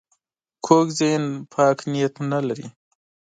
کوږ ذهن پاک نیت نه لري